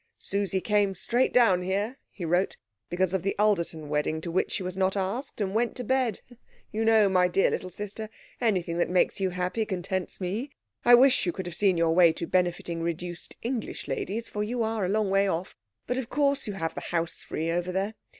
"Susie came straight down here," he wrote, "because of the Alderton wedding to which she was not asked, and went to bed. You know, my dear little sister, anything that makes you happy contents me. I wish you could have seen your way to benefiting reduced English ladies, for you are a long way off; but of course you have the house free over there.